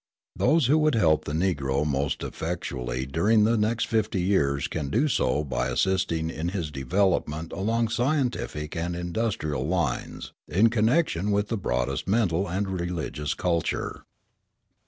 Those who would help the Negro most effectually during the next fifty years can do so by assisting in his development along scientific and industrial lines in connection with the broadest mental and religious culture.